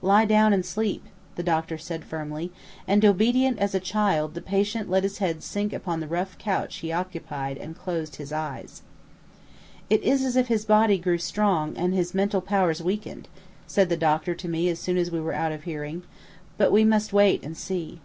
"Lie down and sleep," the doctor said firmly; and, obedient as a child, the patient let his head sink upon the rough couch he occupied and closed his eyes. "It is as if as his body grew strong his mental powers weakened," said the doctor to me as soon as we were out of hearing; "but we must wait and see."